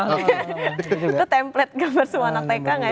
itu template gambar semua anak tk kan